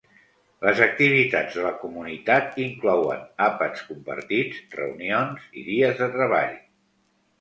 Les activitats de la comunitat inclouen àpats compartits, reunions, i dies de treball.